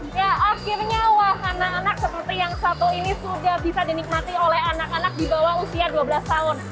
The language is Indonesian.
ya akhirnya wahana anak seperti yang satu ini sudah bisa dinikmati oleh anak anak di bawah usia dua belas tahun